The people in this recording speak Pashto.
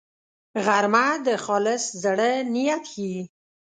غرمه د خالص زړه نیت ښيي